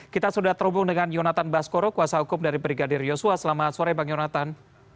kita sudah terhubung dengan yonatan baskoro kuasa hukum dari brigadir yosua selamat sore bang yonatan